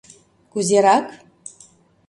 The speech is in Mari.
Кузерак?